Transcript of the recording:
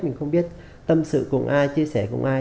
mình không biết tâm sự cùng ai chia sẻ cùng ai